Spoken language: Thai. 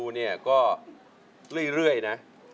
เห่ยยยยยยคิดพูดหน่อย